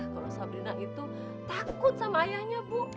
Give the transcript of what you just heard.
kalau sabrina itu takut sama ayahnya bu